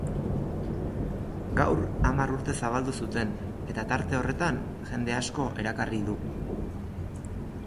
Gaur hamar urte zabaldu zuten eta tarte horretan jende asko erakarri du.